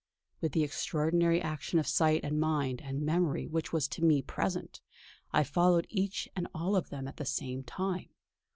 With the extraordinary action of sight and mind and memory which was to me at present, I followed each and all of them at the same time.